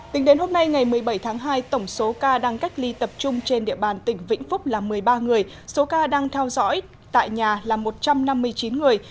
tính đến hôm nay ngày một mươi bảy tháng hai tổng số ca đang cách ly tập trung trên địa bàn tỉnh vĩnh phúc là một mươi ba người số ca đang theo dõi tại nhà là một trăm năm mươi chín người